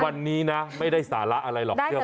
วันนี้นะไม่ได้สาระอะไรหรอกเชื่อผม